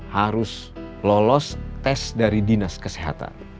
harus lolos tes dari dinas kesehatan